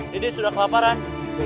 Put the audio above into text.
dede sudah kelaparan